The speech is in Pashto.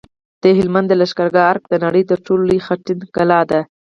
د هلمند د لښکرګاه ارک د نړۍ تر ټولو لوی خټین کلا ده